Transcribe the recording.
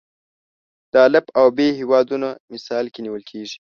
د الف او ب هیوادونه مثال کې نیول کېږي.